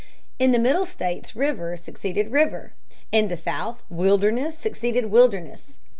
In the Middle states river succeeded river. In the South wilderness succeeded wilderness.